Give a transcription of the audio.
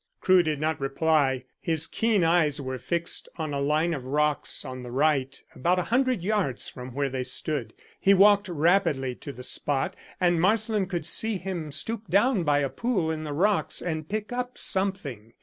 Crewe did not reply; his keen eyes were fixed on a line of rocks on the right about a hundred yards from where they stood. He walked rapidly to the spot, and Marsland could see him stoop down by a pool in the rocks and pick up something.